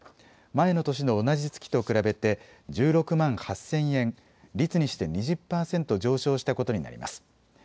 前の年の同じ月と比べて１６万８０００円、率にして２０％上昇したことになります。